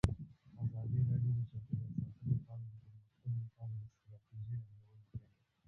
ازادي راډیو د چاپیریال ساتنه په اړه د پرمختګ لپاره د ستراتیژۍ ارزونه کړې.